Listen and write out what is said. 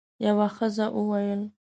یوه ښځه وویل: